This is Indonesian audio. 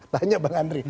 banyak bang andri